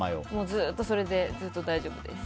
ずっとそれでずっと大丈夫です。